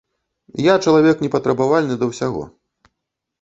Я чалавек непатрабавальны да ўсяго.